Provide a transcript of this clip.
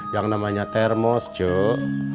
yang namanya termos cek